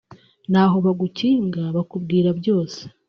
ntaho bagukinga bakubwira byose